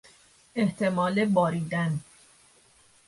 احتمال باریدن